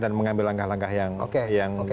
dan mengambil langkah langkah yang